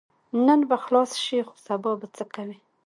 نن به خلاص شې خو سبا به څه کوې؟